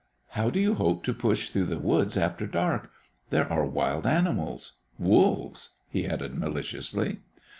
How do you hope to push through the woods after dark? There are wild animals wolves!" he added, maliciously.